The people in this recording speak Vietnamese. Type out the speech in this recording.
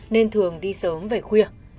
nên thường đi sớm về khuya